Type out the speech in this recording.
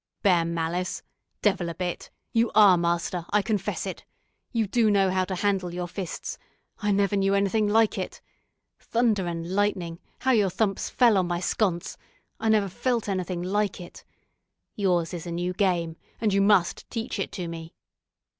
"Bear malice! Devil a bit! You are master, I confess it. You do know how to handle your fists; I never knew anything like it. Thunder and lightning! how your thumps fell on my sconce, I never felt anything like it. Yours is a new game, and you must teach it to me."